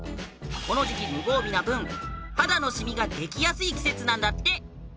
この時期無防備な分肌のシミができやすい季節なんだって